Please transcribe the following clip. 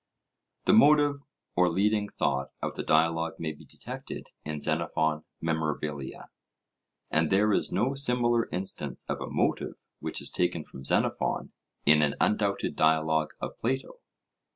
The motive or leading thought of the dialogue may be detected in Xen. Mem., and there is no similar instance of a 'motive' which is taken from Xenophon in an undoubted dialogue of Plato.